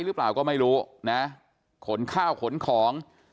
หรือเปล่าก็ไม่รู้นะขนข้าวขนของ